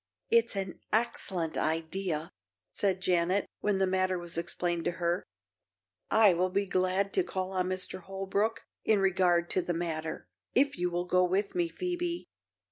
"It's an excellent idea," said Janet, when the matter was explained to her. "I will be glad to call on Mr. Holbrook in regard to the matter, if you will go with me, Phoebe."